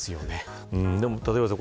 でも立岩さん